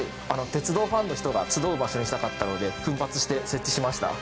鉄道ファンの方が集うところにしたかったので奮発して設置しました。